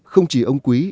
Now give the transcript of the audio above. không chỉ ông quý